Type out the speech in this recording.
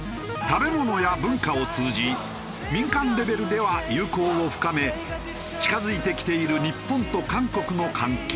食べ物や文化を通じ民間レベルでは友好を深め近付いてきている日本と韓国の関係。